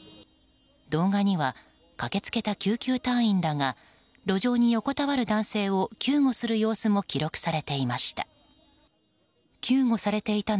動画には駆けつけた救急隊員らが路上に横たわる男性を救護する様子も記録されていました。